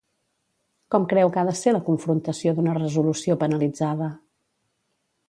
Com creu que ha de ser la confrontació d'una resolució penalitzada?